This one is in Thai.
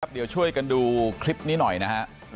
ครับเดี๋ยวช่วยกันดูคลิปนี้หน่อยนะครับ